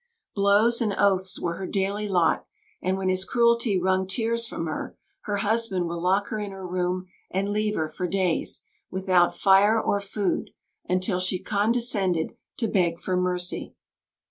Blows and oaths were her daily lot; and when his cruelty wrung tears from her, her husband would lock her in her room, and leave her for days, without fire or food, until she condescended to beg for mercy.